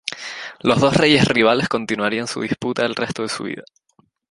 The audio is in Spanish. Los dos reyes rivales continuarían su disputa el resto de su vida.